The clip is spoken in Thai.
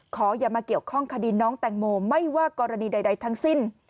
อย่ามาเกี่ยวข้องคดีน้องแตงโมไม่ว่ากรณีใดทั้งสิ้น